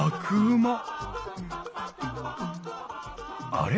あれ？